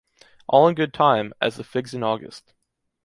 All in good time, as the figs in August.